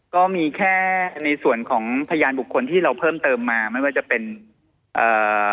ก็มีแค่ในส่วนของพยานบุคคลที่เราเพิ่มเติมมาไม่ว่าจะเป็นเอ่อ